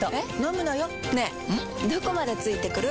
どこまで付いてくる？